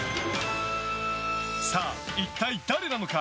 さあ、一体誰なのか？